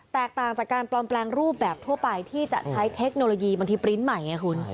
แตกต่างจากการปลอมแปลงรูปแบบทั่วไปที่จะใช้เทคโนโลยีบางทีปริ้นต์ใหม่ไงคุณ